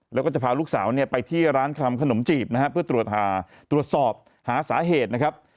แล้วก็จะพาลูกสาวเนี่ยไปที่ร้านทำขนมจีบนะฮะเพื่อตรวจสอบหาสาเหตุนะครับ